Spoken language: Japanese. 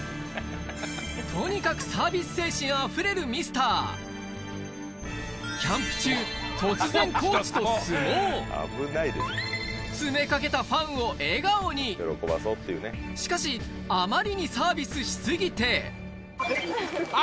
とにかくサービス精神あふれるミスターキャンプ中突然詰めかけたファンを笑顔にしかしあまりにサービスし過ぎてあ！